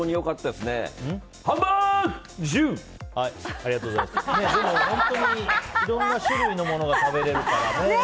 でも本当にいろんな種類のものが食べられるからね。